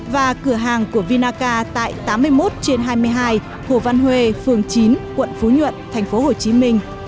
và cửa hàng của vinaca tại tám mươi một trên hai mươi hai hồ văn huê phường chín quận phú nhuận tp hcm